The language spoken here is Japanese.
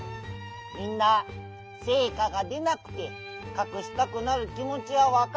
みんなせいかが出なくてかくしたくなる気もちはわかる。